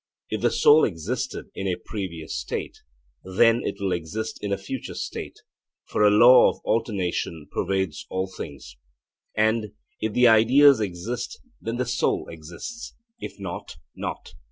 'If the soul existed in a previous state, then it will exist in a future state, for a law of alternation pervades all things.' And, 'If the ideas exist, then the soul exists; if not, not.'